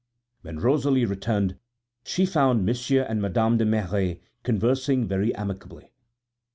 When Rosalie returned she found Monsieur and Madame de Merret conversing very amicably.